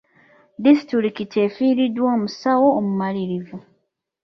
Disitulikiti efiiriddwa omusawo omumalirivu.